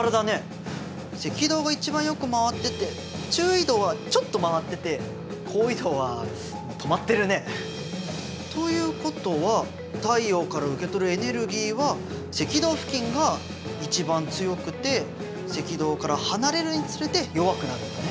赤道が一番よく回ってて中緯度はちょっと回ってて高緯度は止まってるね。ということは太陽から受け取るエネルギーは赤道付近が一番強くて赤道から離れるにつれて弱くなるんだね。